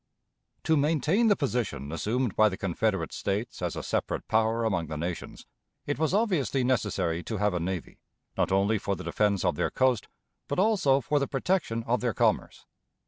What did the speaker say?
To maintain the position assumed by the Confederate States as a separate power among the nations, it was obviously necessary to have a navy, not only for the defense of their coast, but also for the protection of their commerce.